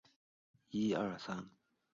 奇异龙是兰斯组的常见恐龙。